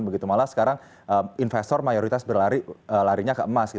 begitu malah sekarang investor mayoritas berlarinya ke emas